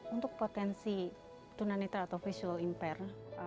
untuk potensi tunanetra atau visual impare